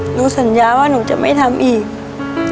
หนูสัญญาว่าหนูจะไม่ทำอีก